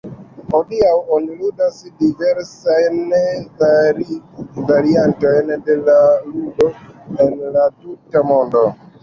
Hodiaŭ oni ludas diversajn variantojn de la ludo en la tuta mondo.